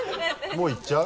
もういっちゃう？